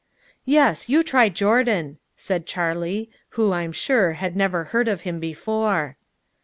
"Yes, you try Jordan," said Charley, who, I'm sure, had never heard of him before.